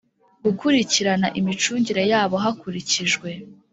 Gukurikirana imicungire yabo hakurikijwe